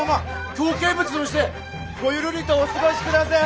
京見物でもしてごゆるりとお過ごしくだせえ。